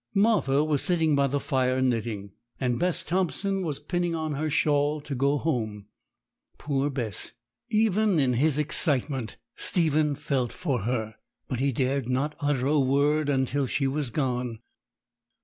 Martha was sitting by the fire knitting, and Bess Thompson was pinning on her shawl to go home. Poor Bess! Even in his excitement Stephen felt for her; but he dared not utter a word till she was gone.